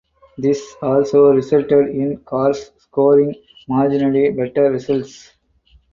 This also resulted in cars scoring marginally better results.